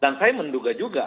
dan saya menduga juga